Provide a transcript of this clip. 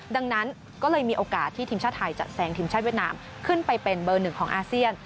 ดังนั้นก็เลยมีโอกาสที่ทีมชาติไทยจะแซงทีมชาติเวียดนามขึ้นไปเป็นเบอร์หนึ่งของอาเซียน